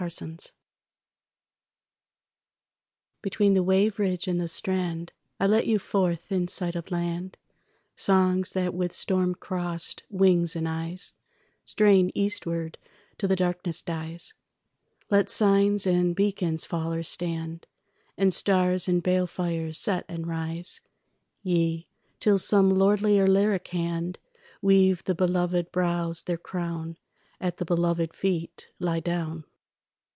EPILOGUE BETWEEN the wave ridge and the strand I let you forth in sight of land, Songs that with storm crossed wings and eyes Strain eastward till the darkness dies; Let signs and beacons fall or stand, And stars and balefires set and rise; Ye, till some lordlier lyric hand Weave the beloved brows their crown, At the beloved feet lie down.